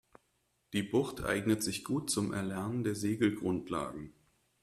Die Bucht eignet sich gut zum Erlernen der Segelgrundlagen.